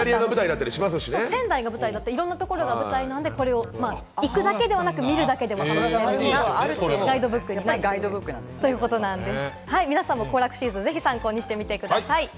仙台が舞台になったり、いろんなところが舞台なので、行くだけではなく見るだけでも楽しいガイドブックになっています。